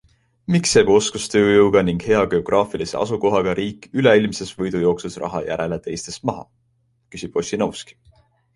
Miks jääb oskustööjõuga ning hea geograafilise asukohaga riik üleilmses võidujooksus raha järele teistest maha, küsib Ossinovski?